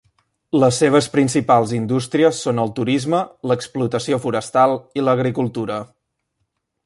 Les seves principals indústries són el turisme, l'explotació forestal i l'agricultura.